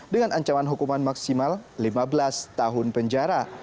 dengan ancaman hukuman maksimal lima belas tahun penjara